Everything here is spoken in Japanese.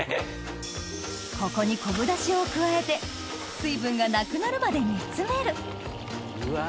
ここに昆布だしを加えて水分がなくなるまで煮詰めるうわぁ。